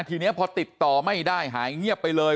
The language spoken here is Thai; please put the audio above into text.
ทีนี้พอติดต่อไม่ได้หายเงียบไปเลย